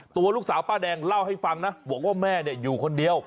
ตัวลูกสาวป้าแดงเล่าให้ฟังนะบอกว่าแม่อยู่คนเดียว